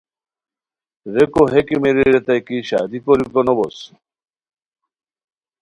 ریکو ہے کیمیری ریتائے کی شادی کوریکو نو بوس